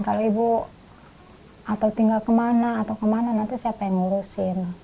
kalau ibu atau tinggal kemana atau kemana nanti siapa yang ngurusin